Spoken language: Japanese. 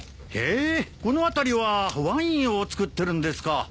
へえこの辺りはワインをつくってるんですか。